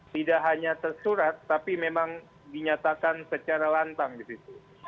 tidak hanya tersurat tapi memang dinyatakan secara lantang di situ